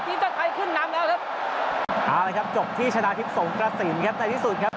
ชนะทิพย์ส่องกระสินครับในที่สุดครับชนะทิพย์ส่องกระสินครับในที่สุดครับ